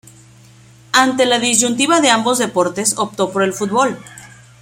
Ante la disyuntiva de ambos deportes optó por el fútbol.